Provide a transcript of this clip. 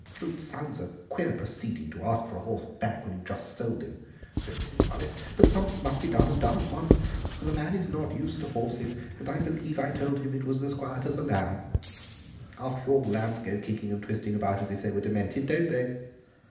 "It sounds a queer proceeding to ask for a horse back when you've just sold him," said Mrs. Mullet, "but something must be done, and done at once. The man is not used to horses, and I believe I told him it was as quiet as a lamb. After all, lambs go kicking and twisting about as if they were demented, don't they?"